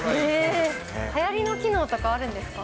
はやりの機能とかあるんですか？